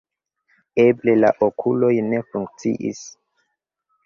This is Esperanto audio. Eble, la okuloj ne funkciis.